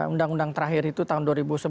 undang undang terakhir itu tahun dua ribu sebelas